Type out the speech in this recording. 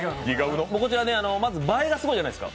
こちら映えがすごいじゃないですか。